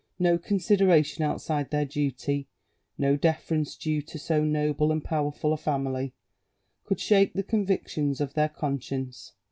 No consideration outside their duty, no deference due to so noble and powerful a family, could shake the convictions of their conscience.